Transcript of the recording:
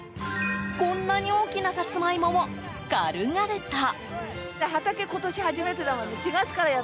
こんなに大きなサツマイモも軽々と。